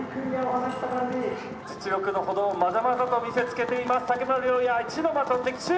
「実力のほどをまざまざと見せつけています